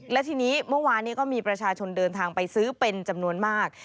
และทีนี้เมื่อวานนี้ก็มีประชาชนเดินทางไปซื้อเป็นจำนวนมาก